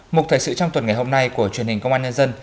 một thời sự trong tuần ngày hôm nay của truyền hình công an nhân dân